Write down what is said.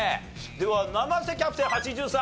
では生瀬キャプテン８３。